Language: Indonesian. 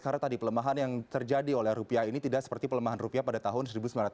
karena tadi pelemahan yang terjadi oleh rupiah ini tidak seperti pelemahan rupiah pada tahun